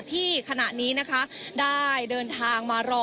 ที่ขณะนี้นะคะได้เดินทางมารอ